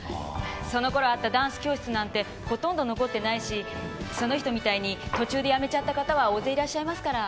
その頃あったダンス教室なんてほとんど残ってないしその人みたいに途中で辞めちゃった方は大勢いらっしゃいますから。